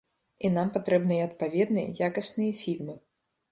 І нам патрэбныя адпаведныя, якасныя фільмы.